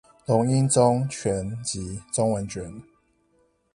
龍瑛宗全集中文卷